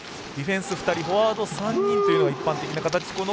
ディフェンス２人フォワード３人というのが一般的な形。